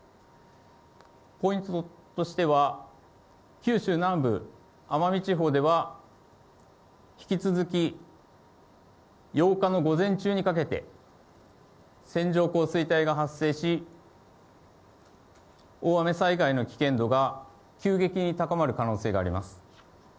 ポイントとしては、九州南部、奄美地方では、引き続き８日の午前中にかけて、線状降水帯が発生し、大雨災害の危険度が急激に高まる可能性があります。